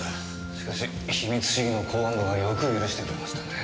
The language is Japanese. しかし秘密主義の公安部がよく許してくれましたね。